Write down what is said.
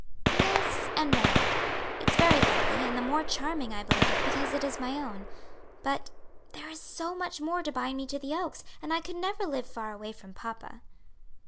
"Yes, and no; it's very lovely, and the more charming I believe, because it is my own; but there is so much more to bind me to the Oaks, and I could never live far away from papa."